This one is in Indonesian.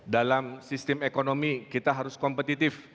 dalam sistem ekonomi kita harus kompetitif